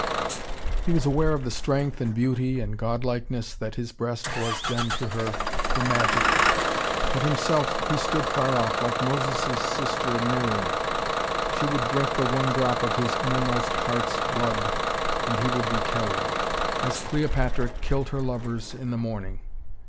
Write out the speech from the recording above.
He was aware of the strength and beauty and godlikeness that his breast was then to her the magic. But himself, he stood far off, like Moses' sister Miriam. She would drink the one drop of his innermost heart's blood, and he would be carrion. As Cleopatra killed her lovers in the morning.